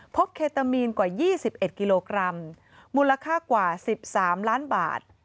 เคตามีนกว่า๒๑กิโลกรัมมูลค่ากว่า๑๓ล้านบาท